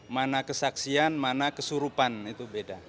mana kesaksian mana kesurupan itu beda